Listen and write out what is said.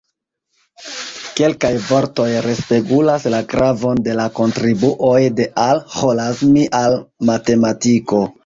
Kelkaj vortoj respegulas la gravon de la kontribuoj de Al-Ĥorazmi al matematiko.